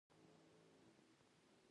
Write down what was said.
د غوا شیدې د ماشومانو لپاره اړینې دي.